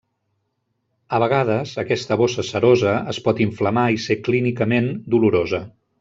A vegades, aquesta bossa serosa es pot inflamar i ser clínicament dolorosa.